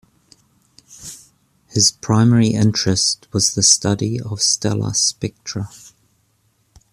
His primary interest was the study of stellar spectra.